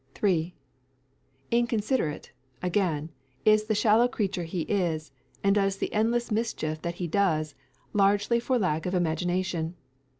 3. Inconsiderate, again, is the shallow creature he is, and does the endless mischief that he does, largely for lack of imagination.